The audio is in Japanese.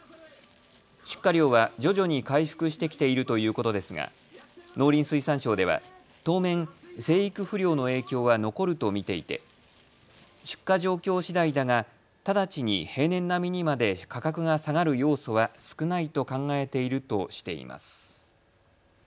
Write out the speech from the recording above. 出荷量は徐々に回復してきているということですが農林水産省では当面、生育不良の影響は残ると見ていて出荷状況しだいだが直ちに平年並みにまで価格が下がる要素は少ないと考えているとしています。